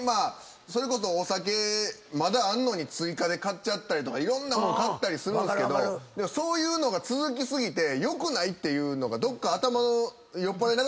それこそお酒まだあんのに追加で買っちゃったりとかいろんなもん買うんですけどそういうのが続き過ぎて良くないっていうのがどっか。